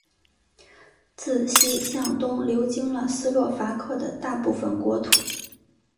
自西向东流经了斯洛伐克的大部分国土。